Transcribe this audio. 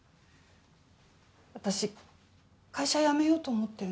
私会社辞めようと思ってるの。